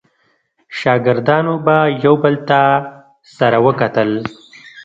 شاګردانو به یو بل ته سره وکتل.